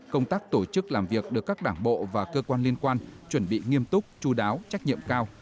công tác tổ chức làm việc được các đảng bộ và cơ quan liên quan chuẩn bị nghiêm túc chú đáo trách nhiệm cao